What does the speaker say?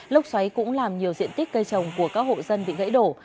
lốc xoáy cũng làm nhiều diện tích cây trồng của các hộ dân bị gãy đổ